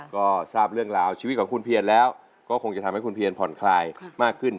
ก็ทราบเรื่องราวชีวิตของคุณเพียรแล้วก็คงจะทำให้คุณเพียรผ่อนคลายมากขึ้น